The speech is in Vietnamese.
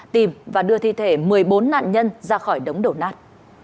tìm và đưa thi thể một mươi bốn nạn nhân ra khỏi đống đổ nát